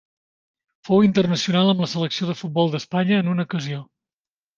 Fou internacional amb la selecció de futbol d'Espanya en una ocasió.